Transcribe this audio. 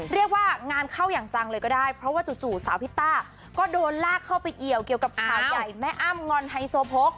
เรียกว่างานเข้าอย่างจังเลยก็ได้เพราะว่าจู่สาวพิตต้าก็โดนลากเข้าไปเอี่ยวเกี่ยวกับข่าวใหญ่แม่อ้ำงอนไฮโซโพก